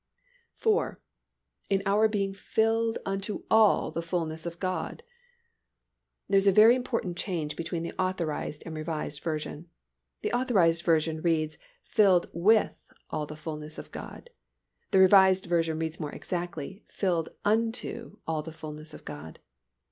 IV. _In our being __"__filled unto __ALL__ the fullness of God.__"_ There is a very important change between the Authorized and Revised Version. The Authorized Version reads "Filled with all the fullness of God." The Revised Version reads more exactly "filled unto all the fullness of God."